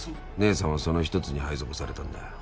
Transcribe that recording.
姐さんはその１つに配属されたんだよ。